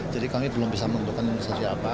jadi kami belum bisa menentukan investasi apa